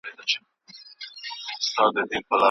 استاد باید د خپل شاګرد ټولي وړتیاوې په سمه توګه درک کړي.